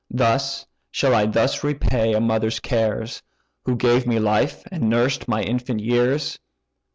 Thus, shall I thus repay a mother's cares, Who gave me life, and nursed my infant years!